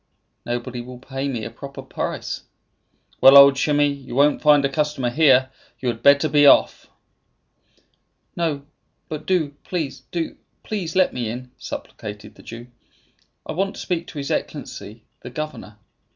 "Nobody will pay me a proper price." "Well, old Shimei, you won't find a customer here. You had better be off." "No; but do, please do, please, let me in," supplicated the Jew. "I want to speak to his Excellency, the governor."